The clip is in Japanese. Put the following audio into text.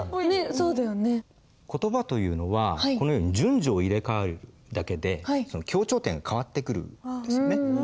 ねっそうだよね。言葉というのはこのように順序を入れ替えるだけで強調点が変わってくるんですね。